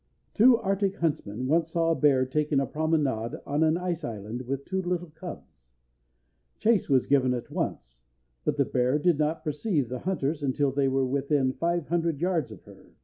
Two arctic huntsmen once saw a bear taking a promenade on an ice island with two little cubs. Chase was given at once, but the bear did not perceive the hunters until they were within five hundred yards of her.